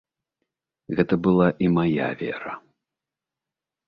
Гэта была і мая вера.